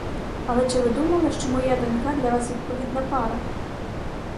Але чи ви думали, що моя донька для вас відповідна пара?